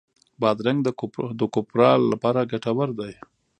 بادرنګ د کوپرا لپاره ګټور دی.